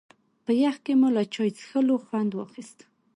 په يخ کې مو له چای څښلو خوند واخيست.